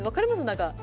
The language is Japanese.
何か。